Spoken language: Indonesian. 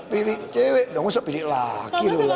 pilih cewek dong udah pilih laki dulu lah